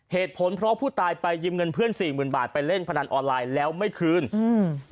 เหตุผลเพราะผู้ตายไปยืมเงินเพื่อนสี่หมื่นบาทไปเล่นพนันออนไลน์แล้วไม่คืนอืม